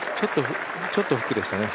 ちょっとフックでしたね。